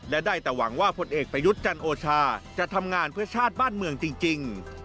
และได้แต่หวังว่าผลเอกประยุทธ์จันโอชาจะทำงานเพื่อชาติบ้านเมืองจริง